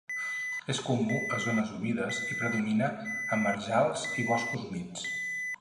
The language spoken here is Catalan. És comú a zones humides i predomina a marjals i boscos humits.